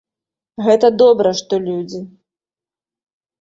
Гэта добра, што людзі.